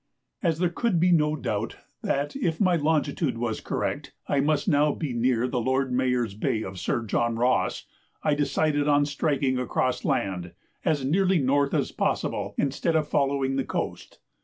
As there could be no doubt that, if my longitude was correct, I must now be near the Lord Mayor's Bay of Sir John Ross, I decided on striking across land, as nearly north as possible, instead of following the coast.